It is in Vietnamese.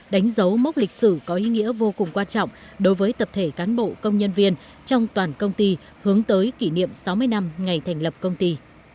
đánh dấu mốc lịch sử có ý nghĩa vô cùng quan trọng đối với tập thể cán bộ công nhân viên trong toàn công ty hướng tới kỷ niệm sáu mươi năm ngày thành lập công ty